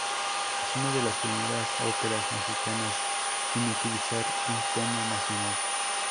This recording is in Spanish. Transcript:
Es una de las primeras óperas mexicanas en utilizar un tema nacional.